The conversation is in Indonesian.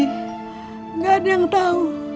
enggak ada yang tahu